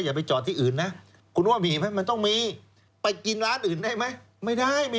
อย่าไปจอดที่อื่นนะ